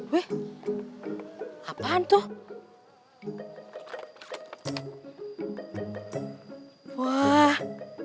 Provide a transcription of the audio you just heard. pak jangan denger fakogie